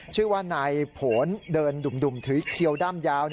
ชื่อว่านายผลเดินดุ่มถือเคียวด้ามยาว